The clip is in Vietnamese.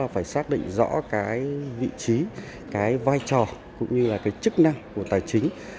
phải xác định rõ vị trí vai trò chức năng của tài chính